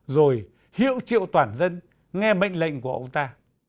rồi hiệu triệu toàn dân nghe mệnh lệnh của ông ta